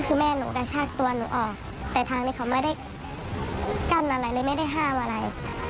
คือแม่หนูกระชากตัวหนูออกแต่ทางนี้เขาไม่ได้กั้นอะไรเลยไม่ได้ห้ามอะไร